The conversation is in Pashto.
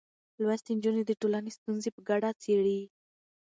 لوستې نجونې د ټولنې ستونزې په ګډه څېړي.